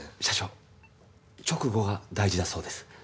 社長直後が大事だそうです。